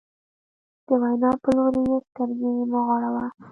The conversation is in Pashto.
د وینا په لوري یې سترګې مه غړوه.